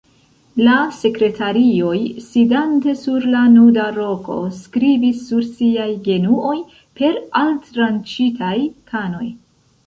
La sekretarioj, sidante sur la nuda roko, skribis sur siaj genuoj per altranĉitaj kanoj.